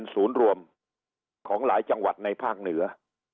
ศูนย์รวมของหลายจังหวัดในภาคเหนือ